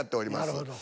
なるほど。